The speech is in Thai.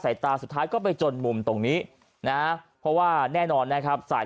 ตาสุดท้ายก็ไปจนมุมตรงนี้นะเพราะว่าแน่นอนนะครับสาย